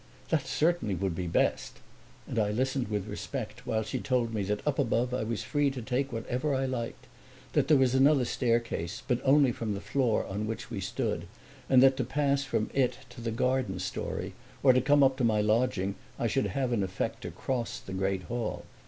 "That certainly would be best." And I listened with respect while she told me that up above I was free to take whatever I liked; that there was another staircase, but only from the floor on which we stood, and that to pass from it to the garden story or to come up to my lodging I should have in effect to cross the great hall.